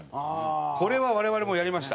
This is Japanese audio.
これは我々もやりました。